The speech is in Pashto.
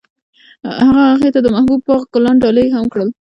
هغه هغې ته د محبوب باغ ګلان ډالۍ هم کړل.